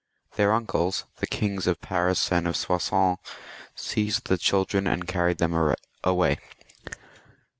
Their uncles, the Kings of Paris and of Soissons, seized the children and carried them away.